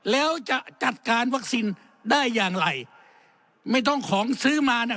แล้วจะจัดการวัคซีนได้อย่างไรไม่ต้องของซื้อมาน่ะ